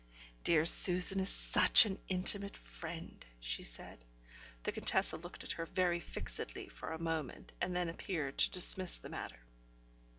"Dear Susan is such an intimate friend," she said. The Contessa looked at her very fixedly for a moment, and then appeared to dismiss the matter.